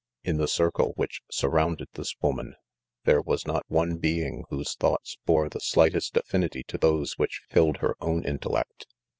. In the circle which surrounded this woman there was not one being whose thoughts bore the slightest affinity to those which filled her o wn. intellect.